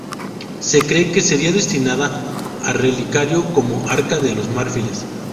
Se cree que sería destinada a relicario como el Arca de los Marfiles.